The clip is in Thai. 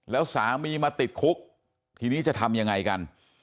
แล้วสามีมาติดคุกทีนี้จะทำยังไงกัน